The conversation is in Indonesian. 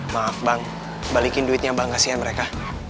maaf bang balikin duitnya bang kasihan mereka